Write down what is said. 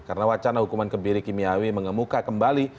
karena wacana hukuman kebiri kimiawi mengemuka kembali